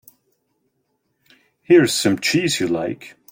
Here's some cheese you like.